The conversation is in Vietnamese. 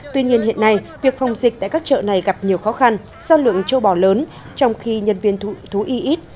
tuy nhiên hiện nay việc phòng dịch tại các chợ này gặp nhiều khó khăn do lượng châu bò lớn trong khi nhân viên thú y ít